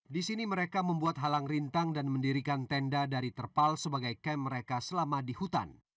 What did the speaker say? di sini mereka membuat halang rintang dan mendirikan tenda dari terpal sebagai kamp mereka selama di hutan